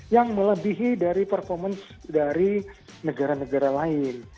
yang melebihi dari performance dari negara negara lain